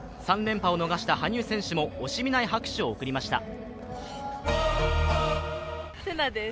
３連覇を逃した羽生選手も惜しみない拍手を送りました。